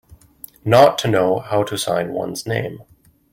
Not to know how to sign one's name.